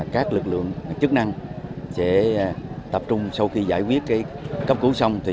các lực lượng chức năng sẽ tập trung sau khi giải quyết cấp cứu xong